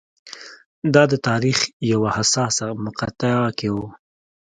دا د تاریخ په یوه حساسه مقطعه کې و.